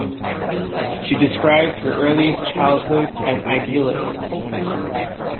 She describes her earliest childhood as idyllic.